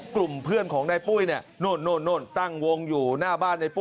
กลุ่มเพื่อนของนายปุ้ยเนี่ยโน่นตั้งวงอยู่หน้าบ้านในปุ้ย